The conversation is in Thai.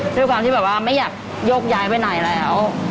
ด้วยการที่ไม่อยากยกย้ายไปไหนแล้ว